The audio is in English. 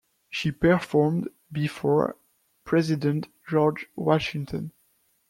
She performed before President George Washington.